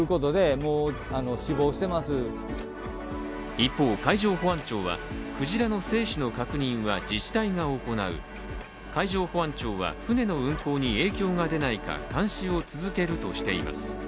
一方、海上保安庁はクジラの生死の確認は自治体が行う、海上保安庁は船の運航に影響が出ないか監視を続けるとしています。